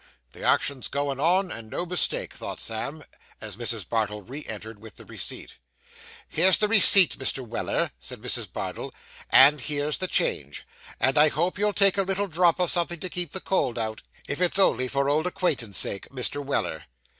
'The action's going on, and no mistake,' thought Sam, as Mrs. Bardell re entered with the receipt. 'Here's the receipt, Mr. Weller,' said Mrs. Bardell, 'and here's the change, and I hope you'll take a little drop of something to keep the cold out, if it's only for old acquaintance' sake, Mr. Weller.